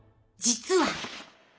実は。